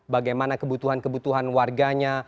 bagaimana kebutuhan kebutuhan warganya